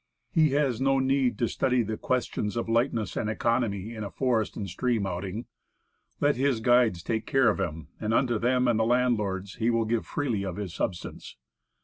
He has no need to study the questions of lightness and economy in a forest and stream outing. Let his guides take care of him; and unto them and the landlords he will give freely of his substance.